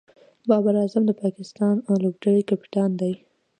بابر اعظم د پاکستان لوبډلي کپتان دئ.